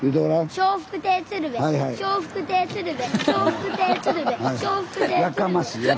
笑福亭鶴瓶！